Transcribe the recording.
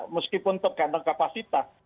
meskipun tergantung kapasitas